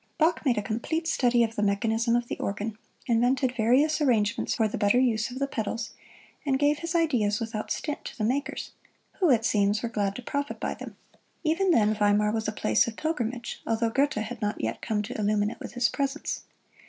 Bach made a complete study of the mechanism of the organ, invented various arrangements for the better use of the pedals, and gave his ideas without stint to the makers, who, it seems, were glad to profit by them. Even then Weimar was a place of pilgrimage, although Goethe had not yet come to illumine it with his presence.